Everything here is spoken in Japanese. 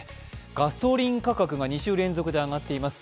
ガソリン価格が２週連続で上がっています。